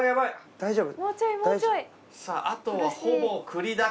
大丈夫？